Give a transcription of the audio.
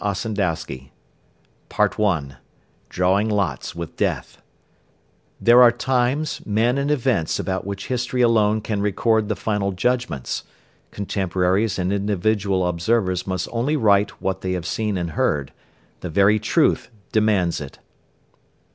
XLIX. THE PROPHECY OF THE KING OF THE WORLD IN 1890 There are times, men and events about which History alone can record the final judgments; contemporaries and individual observers must only write what they have seen and heard. The very truth demands it.